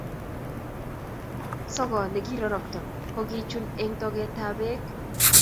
Sokot nekirorokto ko kichun eng togetap bek